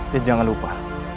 dan jangan lupa